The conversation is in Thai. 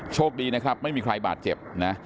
โชคดีนะครับไม่มีใครบาดเจ็บนะ